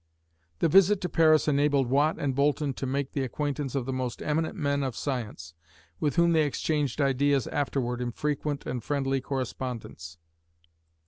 The visit to Paris enabled Watt and Boulton to make the acquaintance of the most eminent men of science, with whom they exchanged ideas afterward in frequent and friendly correspondence.